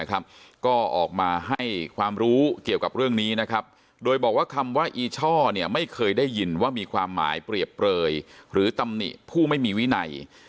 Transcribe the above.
ก็ออกมาให้ความรู้เกี่ยวกับเรื่องนี้นะครับโดยบอกว่าคำว่าอีช่อไม่เคยได้ยินว่ามีความหมายเปรียบเปลยหรือตำหนิผู้ไม่มีวินัย